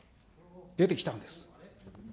出てきたんです。